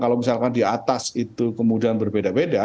kalau misalkan di atas itu kemudian berbeda beda